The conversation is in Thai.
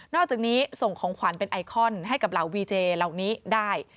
อกจากนี้ส่งของขวัญเป็นไอคอนให้กับเหล่าวีเจเหล่านี้ได้